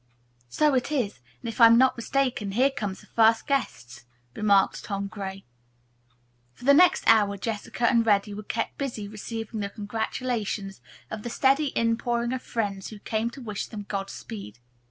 "So it is, and if I'm not mistaken here come the first guests," remarked Tom Gray. For the next hour Jessica and Reddy were kept busy receiving the congratulations of the steady in pouring of friends who came to wish them godspeed.